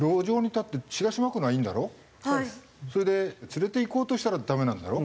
それで連れていこうとしたらダメなんだろう？